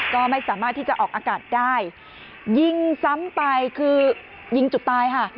ก็ไม่สามารถที่จะออกอากาศได้ยิงซ้ำไปคือยิงจุดตายค่ะ